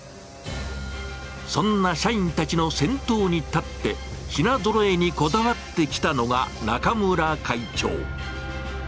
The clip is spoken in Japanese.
そんな社員たちの先頭に立って、品ぞろえにこだわってきたのが中村会長。